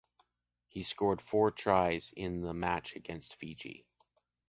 He scored four tries in the match against Fiji.